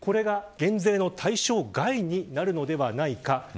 これが減税の対象外になるのではないか。